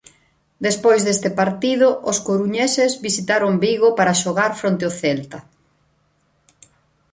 Despois deste partido os coruñeses visitaron Vigo para xogar fronte ó Celta.